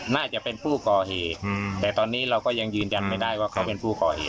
น่าจะเป็นผู้ก่อเหตุแต่ตอนนี้เราก็ยังยืนยันไม่ได้ว่าเขาเป็นผู้ก่อเหตุ